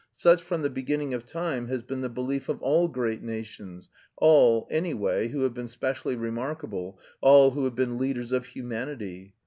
Such, from the beginning of time, has been the belief of all great nations, all, anyway, who have been specially remarkable, all who have been leaders of humanity.